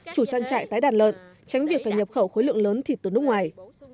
chủ trang trại tái đàn lợn tránh việc phải nhập khẩu khối lượng lớn thịt từ nước ngoài